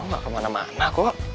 gak kemana mana kok